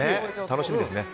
楽しみですね。